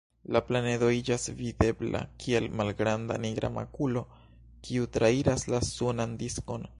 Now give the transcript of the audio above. La planedo iĝas videbla kiel malgranda nigra makulo, kiu trairas la sunan diskon.